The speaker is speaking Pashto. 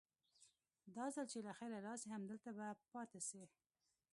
دا ځل چې له خيره راسي همدلته به پاته سي.